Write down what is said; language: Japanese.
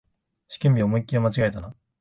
試験日、思いっきり間違えたな